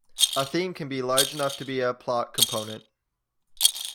A theme can be large enough to be a plot component.